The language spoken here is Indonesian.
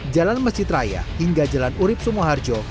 jalan masjid raya hingga jalan urib sumoharjo